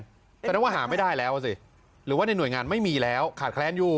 เราต้องกรู้ว่าหาไม่ได้แล้วหรือว่าในหน่วยงานไม่มีแล้วขาดแคลียนอยู่